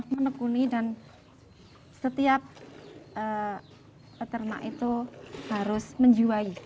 menekuni dan setiap peternak itu harus menjiwai